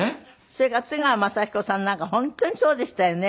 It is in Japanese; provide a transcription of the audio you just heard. それから津川雅彦さんなんか本当にそうでしたよね。